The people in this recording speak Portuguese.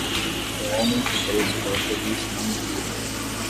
O homem foi preso pela polícia na Hungria.